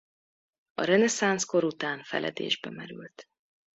A reneszánsz kor után feledésbe merült.